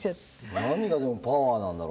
何がでもパワーなんだろう？